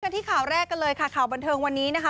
ที่ข่าวแรกกันเลยค่ะข่าวบันเทิงวันนี้นะคะ